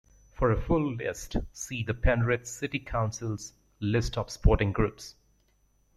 For a full list see the Penrith City Council's list of sporting groups.